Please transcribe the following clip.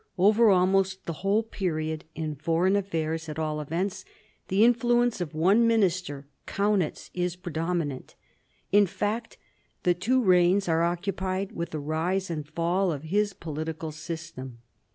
Over almost the whole period, in foreign affairs at all events, the influence of one minister, Kaunitz, is predominant; in fact the two reigns are occupied ■^ with the rise and fall of his political system.